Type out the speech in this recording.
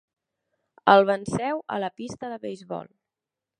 El venceu a la pista de beisbol.